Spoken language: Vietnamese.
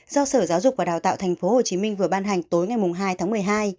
do sở giáo dục và đào tạo tp hcm vừa ban hành tối ngày hai tháng một mươi hai